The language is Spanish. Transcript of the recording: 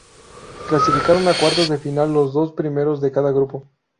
Clasificaron a cuartos de final los dos primeros de cada grupo.